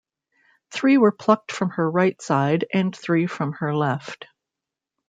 Three were plucked from her right side and three from her left.